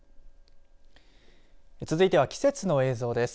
続いては、季節の映像です。